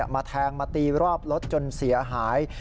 มาแทงมาตีรอบรถจนเสียหาย